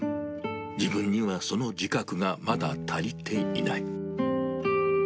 自分にはその自覚がまだ足りていない。